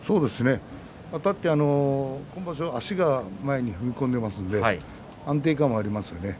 あたって今場所は足が前に踏み込んでいますので安定感がありますよね。